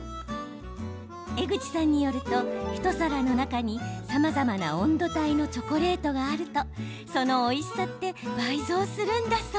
江口さんによると一皿の中にさまざまな温度帯のチョコレートがあるとそのおいしさって倍増するんだそう。